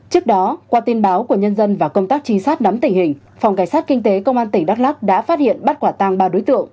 trước đó qua tin báo của nhân dân và công tác trinh sát nắm tình hình phòng cảnh sát kinh tế công an tỉnh đắk lắc đã phát hiện bắt quả tang ba đối tượng